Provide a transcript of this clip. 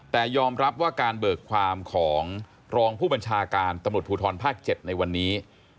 แต่ยอมรับว่าการเบิกความของรองผู้บัญชาการตำรวจภูทรภาค๗ในวันนี้